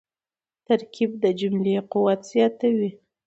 ترکیب د جملې قوت زیاتوي.